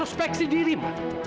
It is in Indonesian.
introspeksi diri ma